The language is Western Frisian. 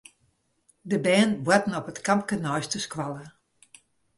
De bern boarten op it kampke neist de skoalle.